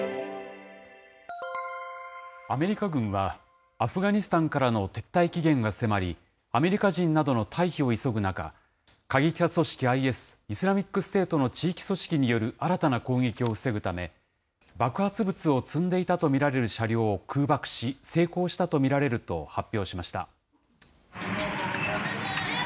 アメリカ軍はアフガニスタンからの撤退期限が迫り、アメリカ人などの退避を急ぐ中、過激派組織ＩＳ・イスラミックステートの地域組織による新たな攻撃を防ぐため、爆発物を積んでいたと見られる車両を空爆し成功したと見られると発表しました。